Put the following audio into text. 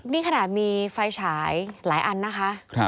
นี่ขนาดมีไฟฉายหลายอันนะคะ